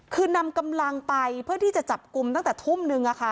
คือนำกำลังไปเพื่อที่จะจับกลุ่มตั้งแต่ทุ่มนึง